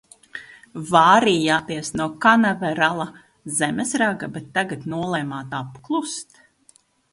Vārījāties no Kanaverala zemesraga, bet tagad nolēmāt apklust?